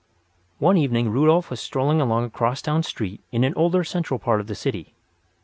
One evening Rudolf was strolling along a crosstown street in the older central part of the city.